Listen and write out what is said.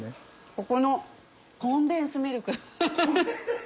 ここのコンデンスミルクフフフ。